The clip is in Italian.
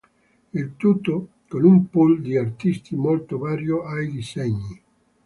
Il tutto con un pool di artisti molto vario ai disegni.